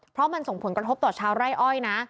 เพราะมันส่งผลกระทบต่อชาวไร่อ้อยนะ